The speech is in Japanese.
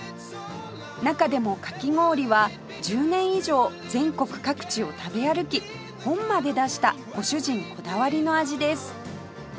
中でもかき氷は１０年以上全国各地を食べ歩き本まで出したご主人こだわりの味です